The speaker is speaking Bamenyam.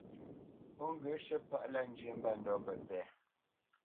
Ó ŋgyə̂ shə̂ páʼ lâ njyə́ mbândɔ̂ pə́pɛ̂.